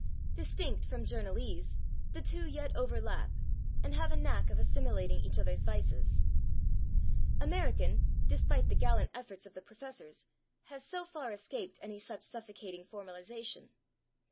Distinct from journalese, the two yet overlap, "and have a knack of assimilating each other's vices." American, despite the gallant efforts of the professors, has so far escaped any such suffocating formalization.